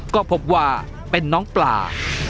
ก็พบว่าเป็นน้องปลา